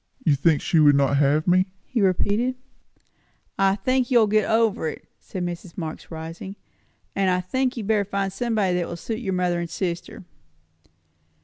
"You think she would not have me?" he repeated. "I think you will get over it," said Mrs. Marx, rising. "And I think you had better find somebody that will suit your mother and sister."